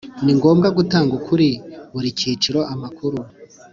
ni ngombwa gutanga kuri buri cyiciro amakuru